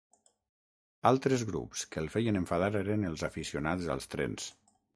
Altres grups que el feien enfadar eren els aficionats als trens.